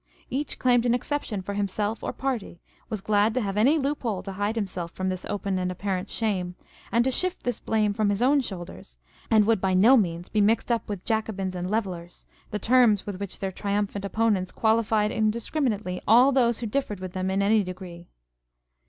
Each claimed an exception for himself or party, was glad to have any loop hole to hide himself from this " open and apparent shame," and to shift the blame from his own shoulders, and would by no means be mixed up with Jacobins and Levellers â€" the terms with which their triumphant opponents qualified indiscriminately all those who differed with them in any degree.